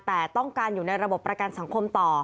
แต่ต้องการอยู่ในระบบประกันสังคมต่อ